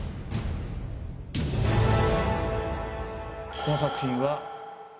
この作品は。